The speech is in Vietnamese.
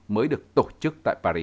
mới được tổ chức tại paris